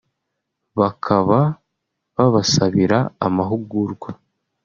bakaba babasabira amahugurwa